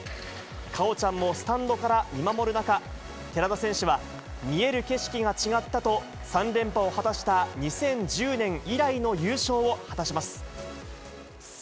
果緒ちゃんもスタンドから見守る中、寺田選手は見える景色が違ったと、３連覇を果たした２０１０年以来の優勝を果たします。